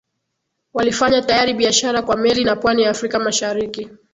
walifanya tayari biashara kwa meli na pwani ya Afrika Mashariki